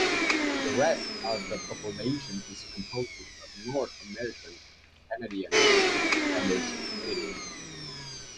The rest of the population is composed of North American, Canadian, and Japanese communities.